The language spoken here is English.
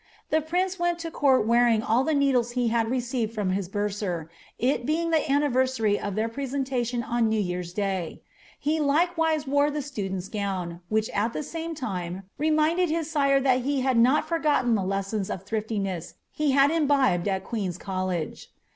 The prince went to court wearing all the needles he had received from his bursar, it being the anniversary of their presentation on New year's day;' he likewise wore the student's gown, which at the aame time reminded his sire that he had not forgotten the lessons of ihnfiiness he had imbibed at Queen's College.